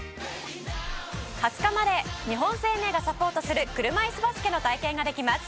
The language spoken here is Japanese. ２０日まで日本生命がサポートする車いすバスケの体験ができます。